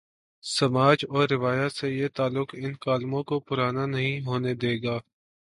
سماج اور روایت سے یہ تعلق ان کالموں کوپرانا نہیں ہونے دے گا۔